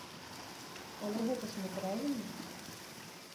Але гэта ж няправільна!